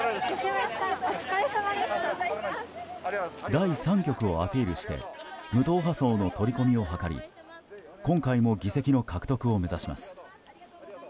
第三極をアピールして無党派層の取り込みを図り今回も議席の獲得を目指します。